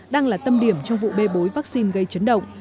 đang là tâm điểm trong vụ bê bối vaccine gây chấn động